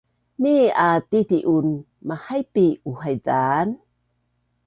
Nii a titi un mahaipi uhaizaan